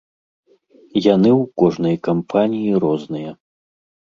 Яны ў кожнай кампаніі розныя.